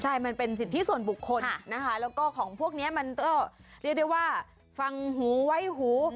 ใช่มันเป็นสิทธิส่วนบุคคลนะคะแล้วก็ของพวกนี้มันก็เรียกได้ว่าฟังหูไว้หู